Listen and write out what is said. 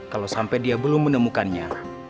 kalau sampai dia belum menemukannya